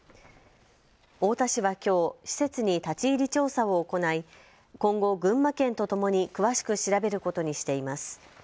太田市はきょう施設に立ち入り調査を行い今後、群馬県とともに詳しく調べることにしています。